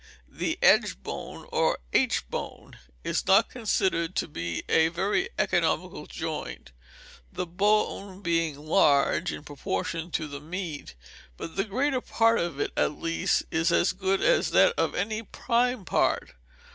The Edge bone, or Aitch bone, is not considered to be a very economical joint, the bone being large in proportion to the meat; but the greater part of it, at least, is as good as that of any prime part.